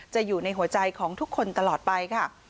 อยู่ในหัวใจของทุกคนตลอดไปค่ะ